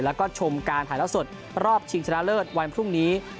แล้วก็ชมการถ่ายรอดสดรอบชาญเชียวชนะเลิศ